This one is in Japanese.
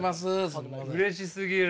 うれしすぎる。